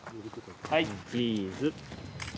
はいチーズ。